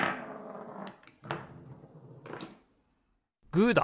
グーだ！